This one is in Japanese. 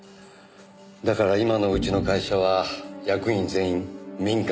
だから今のうちの会社は役員全員民間からです。